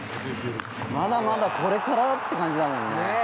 まだまだこれからって感じだもんね」